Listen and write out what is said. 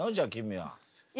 はい！